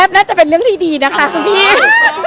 ผมผู้จังคือว่าฮัปพี่ทั้งคู่และกับโน้ต